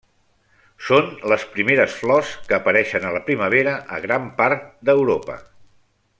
Són les primeres flors que apareixen a la primavera a gran part d'Europa.